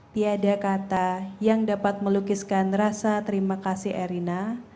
tiada kata yang dapat melukiskan rasa terima kasih erina